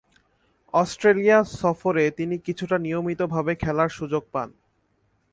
Australia সফরে তিনি কিছুটা নিয়মিতভাবে খেলার সুযোগ পান।